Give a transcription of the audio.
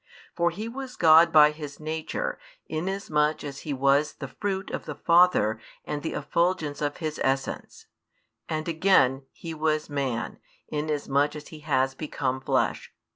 For He was God by His nature, inasmuch as He was the Fruit of the Father and the Effulgence of His essence; and again, He was man, inasmuch as He has become Flesh.